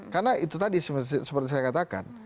karena itu tadi seperti saya katakan